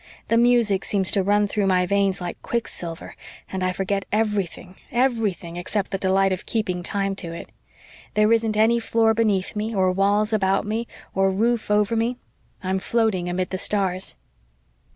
The music seems to run through my veins like quicksilver and I forget everything everything except the delight of keeping time to it. There isn't any floor beneath me, or walls about me, or roof over me I'm floating amid the stars."